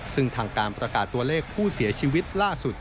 ซึ่งทางการประกาศตัวเลขผู้เสียชีวิตล่าสุด